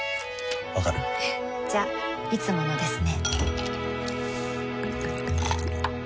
わかる？じゃいつものですね